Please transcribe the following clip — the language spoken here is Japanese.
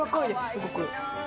すごく。